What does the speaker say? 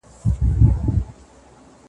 د واسکټونو دوکانونه ښيي .